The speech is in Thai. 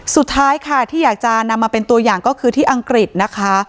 สุดท้ายค่ะที่อยากจะนำมาเป็นตัวอย่างก็คือที่อังกฤษนะคะ